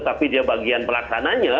tapi dia bagian pelaksananya